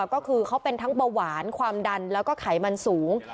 ก็คือเขาเป็นทั้งเบาหวานความดันแล้วก็ไขมันสูง